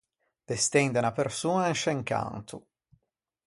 Destende unna persoña in sce un canto.